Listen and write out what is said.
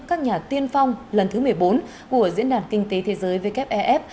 các nhà tiên phong lần thứ một mươi bốn của diễn đàn kinh tế thế giới wef